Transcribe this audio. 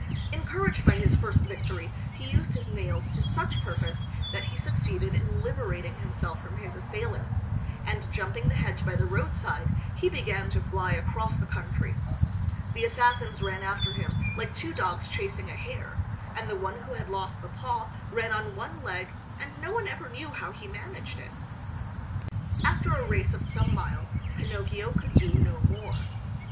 Encouraged by his first victory he used his nails to such purpose that he succeeded in liberating himself from his assailants, and jumping the hedge by the roadside he began to fly across the country. The assassins ran after him like two dogs chasing a hare; and the one who had lost the paw ran on one leg and no one ever knew how he managed it. After a race of some miles Pinocchio could do no more.